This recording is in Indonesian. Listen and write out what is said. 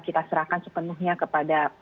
kita serahkan sepenuhnya kepada